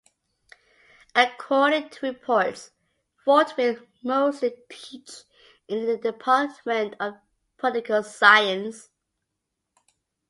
According to reports, Ford will mostly teach in the department of political science.